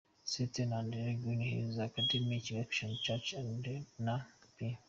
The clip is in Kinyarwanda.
S St Andre, Green Hills Academy, Kigali Christian School na P.